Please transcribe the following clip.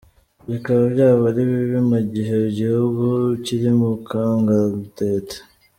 Bikaba byaba ari bibi mu gihe igihugu kiri mu kangaratete.